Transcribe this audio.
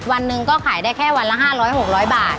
วันหนึ่งก็ขายได้แค่วันละ๕๐๐๖๐๐บาท